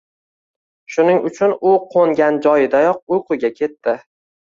Shuning uchun u qo‘ngan joyidayoq uyquga ketdi.